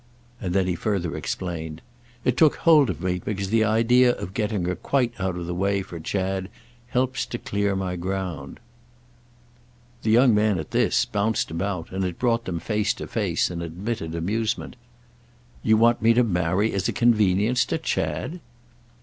And then he further explained. "It took hold of me because the idea of getting her quite out of the way for Chad helps to clear my ground." The young man, at this, bounced about, and it brought them face to face in admitted amusement. "You want me to marry as a convenience to Chad?"